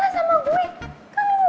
terus problems aja nyari nyari lagi